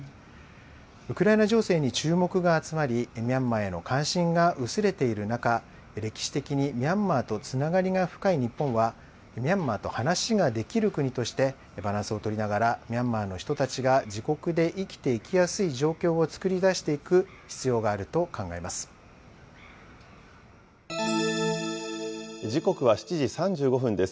ウクライナ情勢に注目が集まり、ミャンマーへの関心が薄れている中、歴史的にミャンマーとつながりが深い日本は、ミャンマーと話ができる国として、バランスを取りながら、ミャンマーの人たちが自国で生きていきやすい状況を作り出していく必要があると考えます。